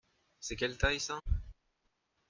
C’est quelle taille ça ?